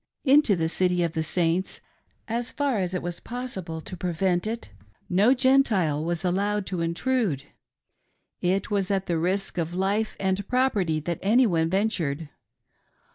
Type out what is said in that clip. Into the city of the Saints, as far as was possible to, prevent it, no Gentile was allowed to intrude. It was at risk of life and property that any one ventured.